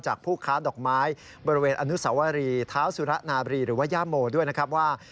ผู้ค้าดอกไม้บริเวณอนุสวรีเท้าสุระนาบรีหรือว่าย่าโมด้วยนะครับว่า